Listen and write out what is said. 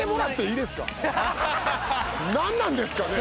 何なんですかね？